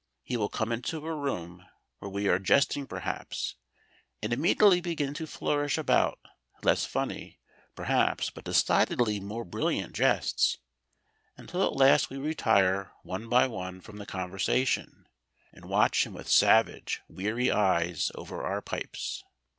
He will come into a room where we are jesting perhaps, and immediately begin to flourish about less funny perhaps but decidedly more brilliant jests, until at last we retire one by one from the conversation and watch him with savage, weary eyes over our pipes.